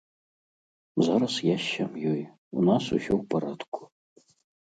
Зараз я з сям'ёй, у нас усё ў парадку.